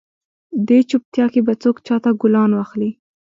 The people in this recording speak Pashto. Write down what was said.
دې چوپیتا کې به څوک چاته ګلان واخلي؟